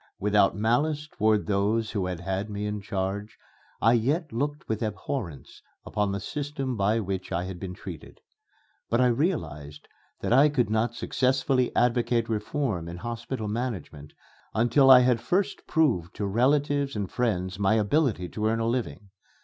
Without malice toward those who had had me in charge, I yet looked with abhorrence upon the system by which I had been treated. But I realized that I could not successfully advocate reforms in hospital management until I had first proved to relatives and friends my ability to earn a living.